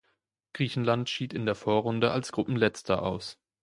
Griechenland schied in der Vorrunde als Gruppenletzter aus.